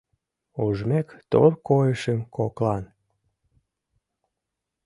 Ужмек тор койышым, коклан.